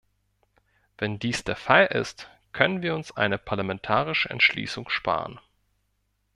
Wenn dies der Fall ist, können wir uns eine parlamentarische Entschließung sparen.